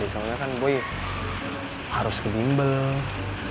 soalnya kan boy harus ke nimble